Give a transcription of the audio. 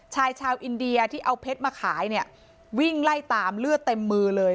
ชายชาวอินเดียที่เอาเพชรมาขายเนี่ยวิ่งไล่ตามเลือดเต็มมือเลย